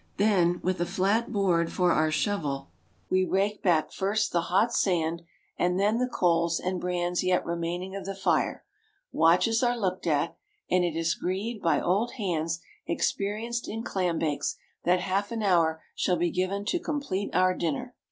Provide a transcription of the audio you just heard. Then, with a flat board for our shovel, we rake back first the hot sand, and then the coals and brands yet remaining of the fire. Watches are looked at; and it is agreed by old hands experienced in clam bakes that half an hour shall be given to complete our dinner.